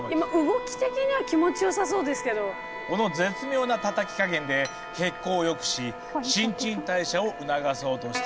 この絶妙なたたき加減で血行をよくし新陳代謝を促そうとしているんだ。